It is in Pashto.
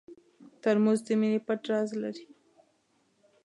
ترموز د مینې پټ راز لري.